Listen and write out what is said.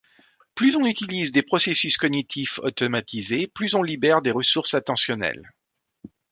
Plus on utilise des processus cognitifs automatisés, plus on libère des ressources attentionnelles.